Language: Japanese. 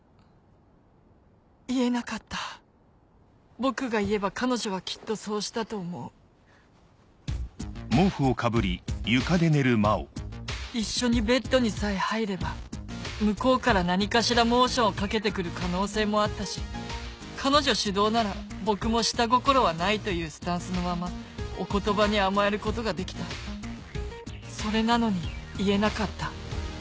言えなかった僕が言えば彼女はきっとそうしたと思う一緒にベッドにさえ入れば向こうから何かしらモーションをかけて来る可能性もあったし彼女主導なら僕も下心はないというスタンスのままお言葉に甘えることができたそれなのに言えなかった